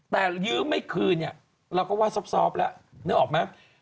แต่ลื้อไม่คืนเนี่ยเราก็ว่าซอบแล้วนึกออกไหม